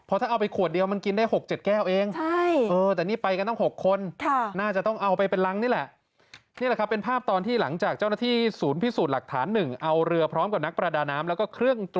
ถ้าเอาไปขวดเดียวมันกินได้๖๗แก้วเอง